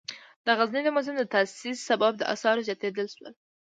د غزني د موزیم د تاسیس سبب د آثارو زیاتیدل شول.